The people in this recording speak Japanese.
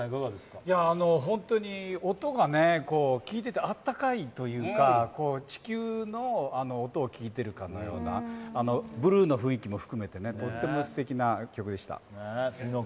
本当に音が、聴いていて、温かいというか、地球の音を聞いているかのような、ブルーの雰囲気も含めてとってもすてきでした。